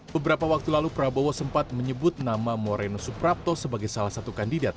beberapa waktu lalu prabowo sempat menyebut nama moreno suprapto sebagai salah satu kandidat